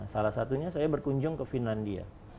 salah satunya saya berkunjung ke finlandia